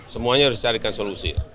semuanya harus carikan solusi